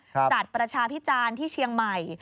จัดประชาพิจารณ์ที่เชียงใหม่